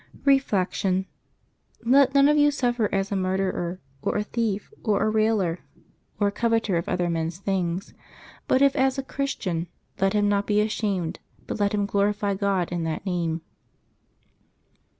Reflection. —" Let none of you suffer as a murderer, or a thief, or a railer, or a coveter of other men's things; but if as a Christian, let him not be ashamed, but let him glorify God in that name."